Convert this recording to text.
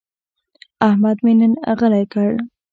احمد مې نن غلی کړ.